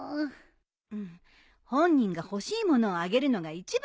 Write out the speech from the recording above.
本人が欲しい物をあげるのが一番よ。